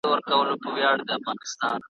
ننګیالیه ډیر به نه اوږده وې بحث